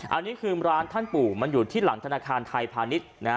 อันนี้คือร้านท่านปู่มันอยู่ที่หลังธนาคารไทยพาณิชย์